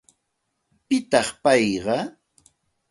¿Pitaq payqa?